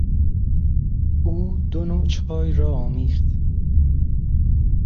او دو نوع چای را آمیخت.